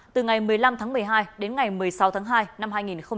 từ ngày một mươi năm tháng một mươi hai đến ngày một mươi sáu tháng hai năm hai nghìn hai mươi